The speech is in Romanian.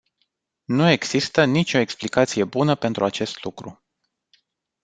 Nu există nicio explicație bună pentru acest lucru.